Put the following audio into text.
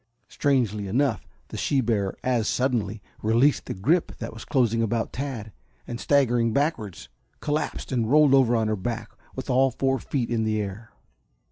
Strangely enough the she bear as suddenly released the grip that was closing about Tad, and staggering backwards, collapsed and rolled over on her back with all four feet in the air.